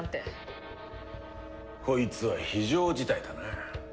こいつは非常事態だな。